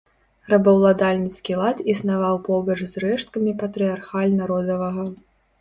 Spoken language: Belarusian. Рабаўладальніцкі лад існаваў побач з рэшткамі патрыярхальна-родавага.